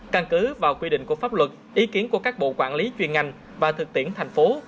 căn cứ vào quy định của pháp luật ý kiến của các bộ quản lý chuyên ngành và thực tiễn thành phố